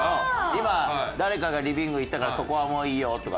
今誰かがリビング行ったからそこはもういいよとか。